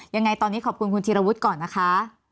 ยังไงตอนนี้ขอบคุณคุณธีรวุฒิก่อนนะคะ